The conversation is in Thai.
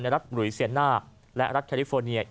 ในรัฐบุรีเซียนนะและรัฐแคลิโฟเนีย